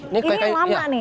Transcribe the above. ini yang lama nih